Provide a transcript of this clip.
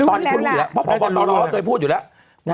ตอนนี้เขารู้อยู่แล้วเพราะพบตรเขาเคยพูดอยู่แล้ว